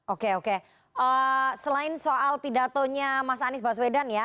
oke oke selain soal pidatonya mas anies baswedan ya